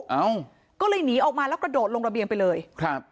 เอ้าก็เลยหนีออกมาแล้วกระโดดลงระเบียงไปเลยครับ